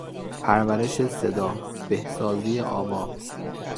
پرورش صدا، بهسازی آواز